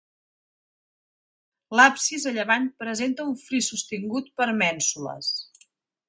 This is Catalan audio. L'absis, a llevant, presenta un fris sostingut per mènsules.